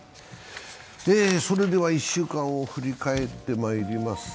それでは１週間を振り返ってまいります。